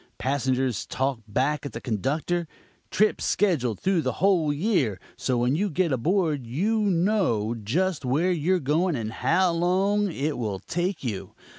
Passengers talk back at the conductor. Trips scheduled through the whole year, so when you get aboard you know just where you're going and how long it will take you.